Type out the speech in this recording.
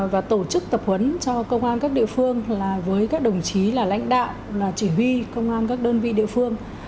và tổ chức tập huấn cho công an các địa phương là với các đồng chí là lãnh đạo là chỉ huy công an các đơn vị địa phương